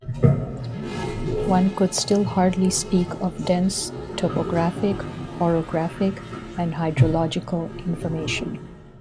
One could still hardly speak of dense topographic, orographic and hydrological information.